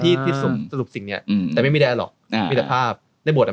แบบตัวละครเออการไม่ได้ไปไม่ถึง